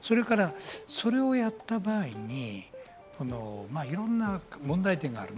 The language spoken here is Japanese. それからそれをやった場合にいろんな問題点がある。